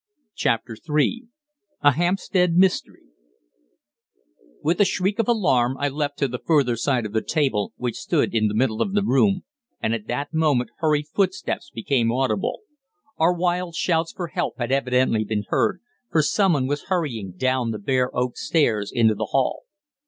CHAPTER III A HAMPSTEAD MYSTERY With a shriek of alarm I leapt to the further side of the table which stood in the middle of the room, and at that moment hurried footsteps became audible. Our wild shouts for help had evidently been heard, for someone was hurrying down the bare oak stairs into the hall.